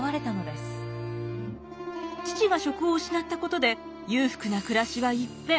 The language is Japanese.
父が職を失ったことで裕福な暮らしは一変。